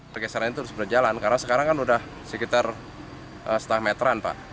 pergeseran itu harus berjalan karena sekarang kan sudah sekitar setengah meteran pak